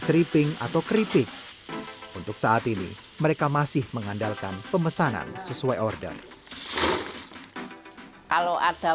ceriping atau keripik untuk saat ini mereka masih mengandalkan pemesanan sesuai order kalau ada